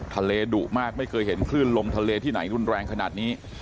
ดุมากไม่เคยเห็นคลื่นลมทะเลที่ไหนรุนแรงขนาดนี้